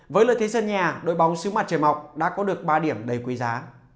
với lợi thế sân nhà đội bóng xứ mặt trời mọc đã có được ba điểm đầy quý giá